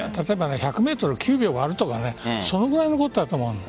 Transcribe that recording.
１００ｍを９秒切るとかそのくらいのことだと思うの。